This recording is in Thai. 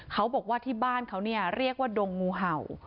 เขาบอกว่าที่บ้านเขาเนี่ยเรียกว่าดงงูเห่า